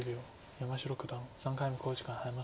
山城九段３回目の考慮時間に入りました。